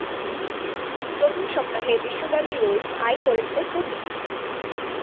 প্রথম সপ্তাহে বিশ্বব্যাপী "রইস" আয় করেছে কোটি।